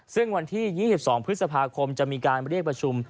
ซึ่งวันที่๒๒พฤษภาคมจะมีการเรียกประชุม